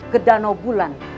ke danau bulan